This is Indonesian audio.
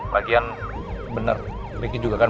bagian benar bikin juga kan